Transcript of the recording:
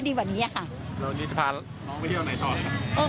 เดี๋ยวอันนี้จะพาน้องไปเที่ยวไหนถอดครับ